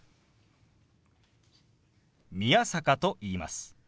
宮坂と言います。